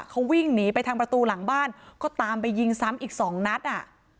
เขาวิ่งหนีไปทางประตูหลังบ้านก็ตามไปยิงซ้ำอีกสองนัดอ่ะ